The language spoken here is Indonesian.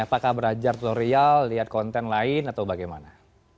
apakah belajar tutorial lihat konten lain atau bagaimana